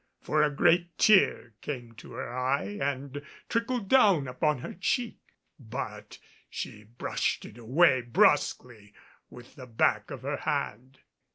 For a great tear came to her eye and trickled down upon her cheek. But she brushed it away brusquely with the back of her hand.